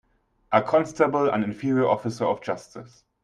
A constable an inferior officer of justice.